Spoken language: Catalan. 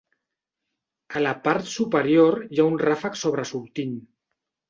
A la part superior hi ha un ràfec sobresortint.